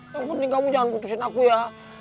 yang penting kamu jangan putusin aku ya